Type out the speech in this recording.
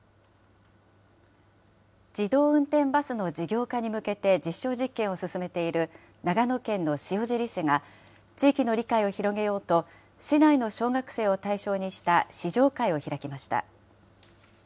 自動運転バスの事業化に向けて実証実験を進めている長野県の塩尻市が、地域の理解を広げようと、市内の小学生を対象にした試乗会を開きました。